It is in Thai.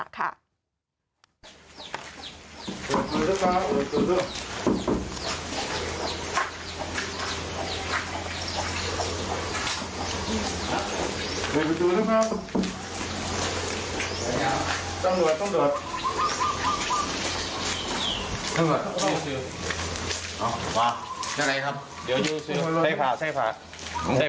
นี่พระคุณทรมานอุ่นใช่ไหม